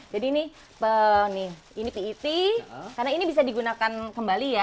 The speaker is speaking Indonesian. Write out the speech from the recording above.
jadi ini pet karena ini bisa digunakan kembali ya